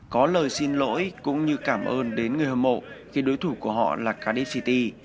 có lời xin lỗi cũng như cảm ơn đến người hâm mộ khi đối thủ của họ là cariffity